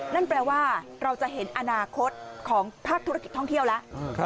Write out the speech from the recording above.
นั่นแปลว่าเราจะเห็นอนาคตของภาคธุรกิจท่องเที่ยวแล้ว